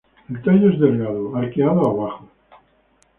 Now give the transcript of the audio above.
El tallo es delgado arqueado abajo.